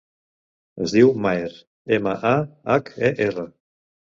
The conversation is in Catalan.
Es diu Maher: ema, a, hac, e, erra.